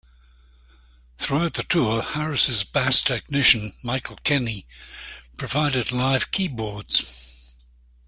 Throughout the tour, Harris' bass technician, Michael Kenney, provided live keyboards.